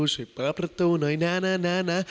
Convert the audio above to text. สุดเปิดประตูหน่อยน่าน่าน่าน่า